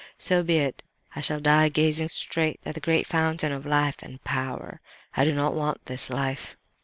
So be it. I shall die gazing straight at the great Fountain of life and power; I do not want this life!